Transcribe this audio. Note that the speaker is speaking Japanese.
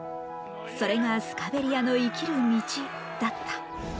それがスカベリアの生きる道だった。